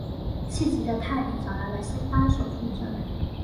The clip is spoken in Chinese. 气急的泰迪找来了新帮手助阵。